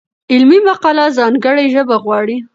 علمي مقاله ځانګړې ژبه غواړي.